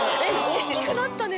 「大きくなったね」？